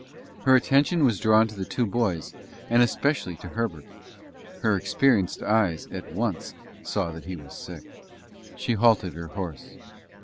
Her attention was drawn to the two boys, and especially to Herbert. Her experienced eyes at once saw that he was sick. She halted her horse.